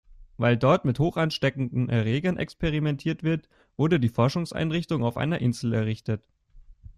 Weil dort mit hochansteckenden Erregern experimentiert wird, wurde die Forschungseinrichtung auf einer Insel errichtet.